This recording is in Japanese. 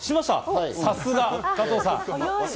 さすが加藤さん。